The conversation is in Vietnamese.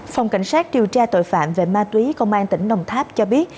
phòng cảnh sát điều tra tội phạm về ma túy công an tỉnh đồng tháp cho biết